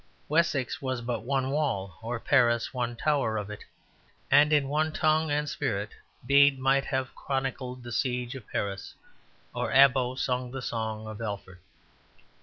Wessex was but one wall or Paris one tower of it; and in one tongue and spirit Bede might have chronicled the siege of Paris or Abbo sung the song of Alfred.